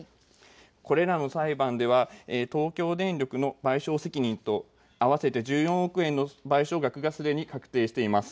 これらの裁判では東京電力の賠償責任と合わせて１４億円の賠償額がすでに確定しています。